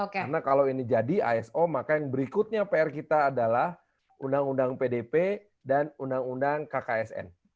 karena kalau ini jadi iso maka yang berikutnya pr kita adalah undang undang pdp dan undang undang kksn